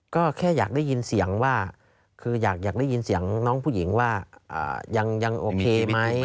ก็แค่อยากได้ยินเสียงว่าคืออยากได้ยินเสียงน้องผู้หญิงว่ายังโอเคไหม